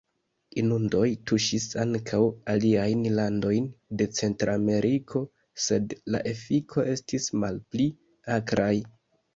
Inundoj tuŝis ankaŭ aliajn landojn de Centrameriko, sed la efiko estis malpli akraj.